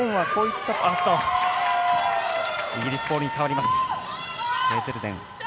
イギリスボールに変わります。